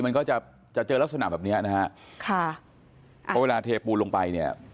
มันก็จะเจอลักษณะแบบนี้นะคะเพราะเวลาเทปูนลงไป